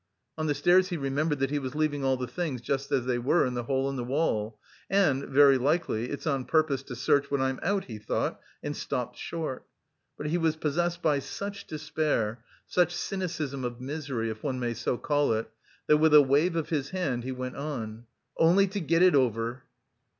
On the stairs he remembered that he was leaving all the things just as they were in the hole in the wall, "and very likely, it's on purpose to search when I'm out," he thought, and stopped short. But he was possessed by such despair, such cynicism of misery, if one may so call it, that with a wave of his hand he went on. "Only to get it over!"